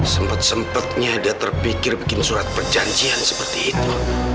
sempet sempetnya dia terpikir bikin surat perjanjian seperti itu